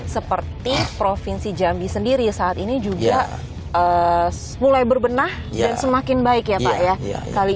seperti provinsi jambi sendiri saat ini juga mulai berbenah dan semakin baik ya pak ya